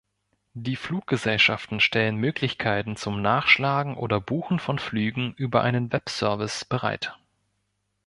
Die Fluggesellschaften stellen Möglichkeiten zum Nachschlagen oder Buchen von Flügen über einen Webservice bereit.